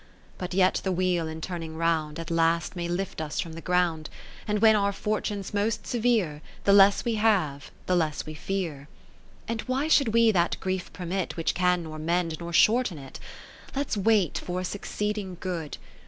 But yet the wheel in turning round, At last may lift us from the ground. And w'hen our Fortune's most severe, The less we have, the less we fear. 20 And why should we that grief permit, Which can nor mend nor shorten it ? Let 's wait for a succeeding good.